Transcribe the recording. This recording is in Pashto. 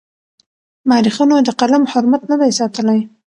مورخينو د قلم حرمت نه دی ساتلی.